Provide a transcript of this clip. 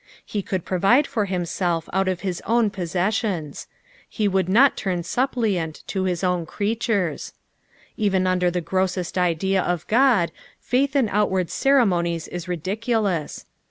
He could provide for himaelf out of Us own poBsessioQB ; be would not turn suppliant to his own creatures. Even under the grossest idea of God, faith in outward ceremonies is ridiculous.